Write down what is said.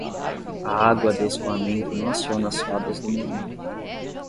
A água de escoamento não aciona as rodas do moinho.